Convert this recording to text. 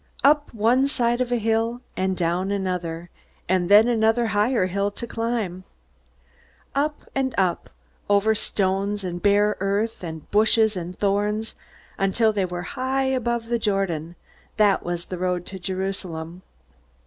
Up one side of a hill, and down another, and then another higher hill to climb! Up and up, over stones and bare earth and bushes and thorns, until they were high above the Jordan that was the road to Jerusalem.